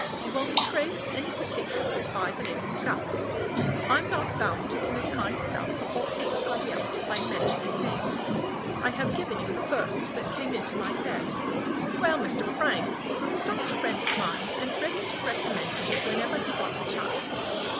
You won't trace any particulars by the name of Gatliffe. I'm not bound to commit myself or anybody else by mentioning names. I have given you the first that came into my head. Well, Mr. Frank was a stanch friend of mine, and ready to recommend me whenever he got the chance.